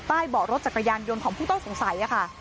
เบาะรถจักรยานยนต์ของผู้ต้องสงสัยค่ะ